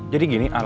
jadi gini al